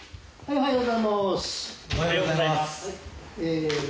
おはようございます。